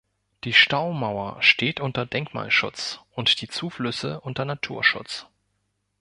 Die Staumauer steht unter Denkmalschutz und die Zuflüsse unter Naturschutz.